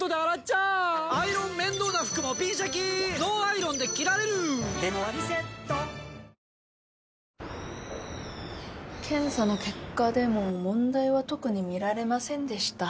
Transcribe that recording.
本麒麟検査の結果でも問題は特に見られませんでした